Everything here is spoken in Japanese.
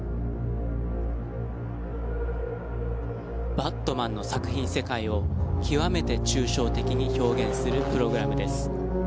「バットマン」の作品世界を極めて抽象的に表現するプログラムです。